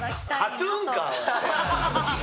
ＫＡＴーＴＵＮか。